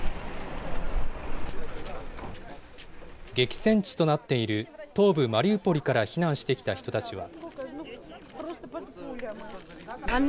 激戦地となっている東部マリウポリから避難してきた人たちは。